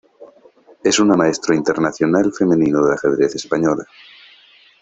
Es una Maestro Internacional Femenino de de ajedrez española.